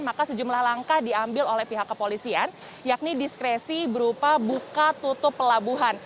maka sejumlah langkah diambil oleh pihak kepolisian yakni diskresi berupa buka tutup pelabuhan